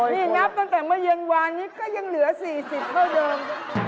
นี่นับตั้งแต่เมื่อเย็นวานนี้ก็ยังเหลือ๔๐เท่าเดิม